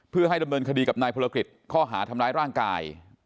เพื่อให้ดำเนินคดีกับนายพลกฤษข้อหาทำร้ายร่างกาย